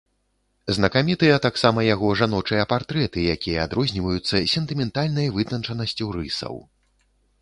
Знакамітыя таксама яго жаночыя партрэты, якія адрозніваюцца сентыментальнай вытанчанасцю рысаў.